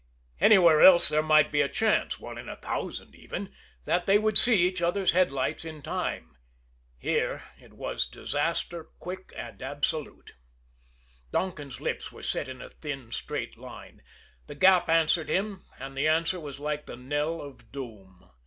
Anywhere else there might be a chance, one in a thousand even, that they would see each other's headlights in time here it was disaster quick and absolute. Donkin's lips were set in a thin, straight line. The Gap answered him; and the answer was like the knell of doom.